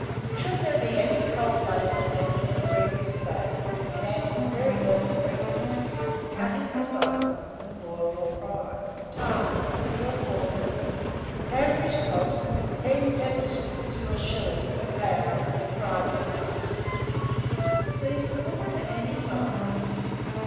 Should there be any cold bacon left from the previous day, it answers very well for breakfast, cut into slices, and broiled or fried. Time. 3 or 4 minutes. Average cost, 10d. to 1s. per lb. for the primest parts. Seasonable at any time.